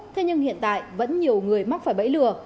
thế nhưng hiện tại vẫn nhiều người mắc phải bẫy lừa